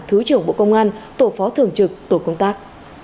thứ trưởng bộ công an tổ phó thường trực tổ công tác